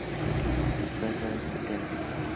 Desplazados internos